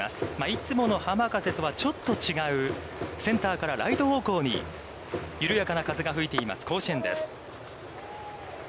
いつもの浜風とはちょっと違うセンターからライト方向に緩やかな風が吹いています甲子園です。